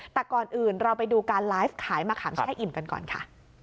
แต่ก่อนอื่นเราไปดูการไลฟ์ขายมะขามแช่อิ่มกันก่อนค่ะ